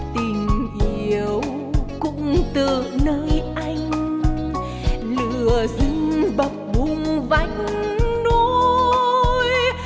tình yêu cũng từ nơi anh lửa rừng bập bùng vách núi